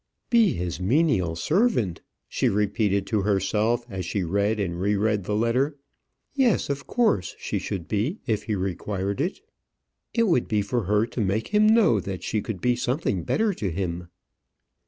"Be his menial servant!" she repeated to herself, as she read and re read the letter. "Yes; of course she should if he required it. It would be for her to make him know that she could be something better to him!"